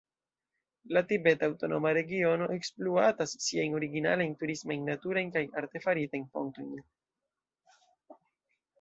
La Tibeta Aŭtonoma Regiono ekspluatas siajn originalajn turismajn naturajn kaj artefaritajn fontojn.